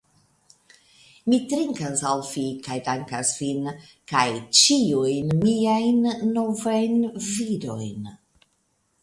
Mi trinkas al vi, kaj dankas vin kaj ĉiujn miajn novajn virojn.